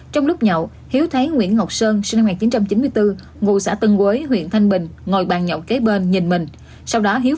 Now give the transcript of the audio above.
trong lúc nhậu hiếu thấy nguyễn ngọc sơn sinh năm một nghìn chín trăm chín mươi bốn ngụ xã tân quế huyện thanh bình ngồi bàn nhậu kế bên nhìn mình sau đó hiếu